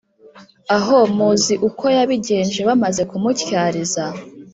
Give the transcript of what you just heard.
aho muzi uko yabigenje bamaze kumutyariza?